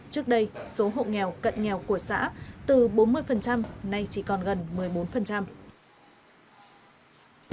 trước đây số hộ nghèo cận nghèo của xã từ bốn mươi nay chỉ còn gần một mươi bốn